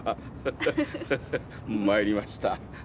参りました。